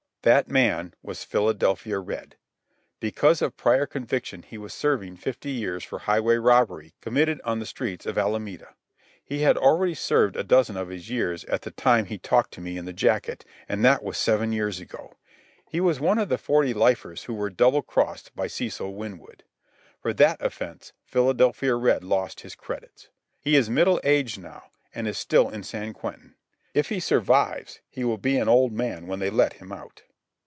That man was Philadelphia Red. Because of prior conviction he was serving fifty years for highway robbery committed on the streets of Alameda. He had already served a dozen of his years at the time he talked to me in the jacket, and that was seven years ago. He was one of the forty lifers who were double crossed by Cecil Winwood. For that offence Philadelphia Red lost his credits. He is middle aged now, and he is still in San Quentin. If he survives he will be an old man when they let him out.